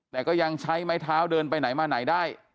แต่ก็ยังใช้ไม้เท้าเดินไปไหนมาไหนได้